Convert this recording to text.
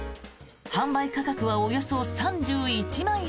販売価格はおよそ３１万円。